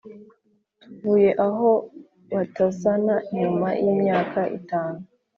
tuvuye aho batuzana nyuma y’imyaka itanu